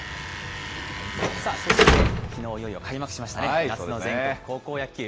さあ、そしてきのう、いよいよ開幕しましたね、夏の全国高校野球。